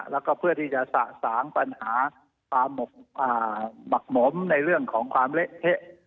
แล้วก็เพื่อที่จะสะสางปัญหาความหมักหมมในเรื่องของความเละเทะ